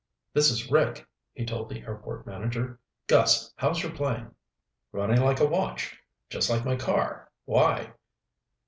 "This is Rick," he told the airport manager. "Gus, how's your plane?" "Running like a watch. Just like my car. Why?"